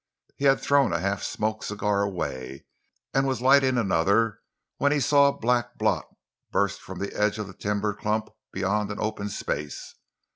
He had thrown a half smoked cigar away and was lighting another when he saw a black blot burst from the edge of a timber clump beyond an open space.